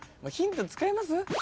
ヒント使います？